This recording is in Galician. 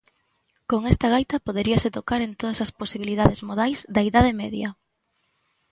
Con esta gaita poderíase tocar en todas as posibilidades modais da Idade Media!